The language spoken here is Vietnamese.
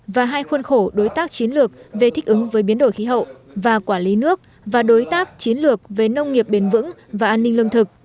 và hai khuôn khổ đối tác chiến lược về thích ứng với biến đổi khí hậu và quản lý nước và đối tác chiến lược về nông nghiệp bền vững và an ninh lương thực